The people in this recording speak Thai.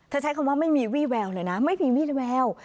ใช้คำว่าไม่มีวี่แววเลยนะไม่มีวี่แวว